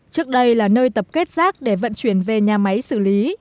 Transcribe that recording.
trước đây là nơi tập kết rác để vận chuyển về nhà máy xử lý